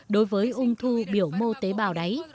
đối với ung thư biểu mô tế bào đáy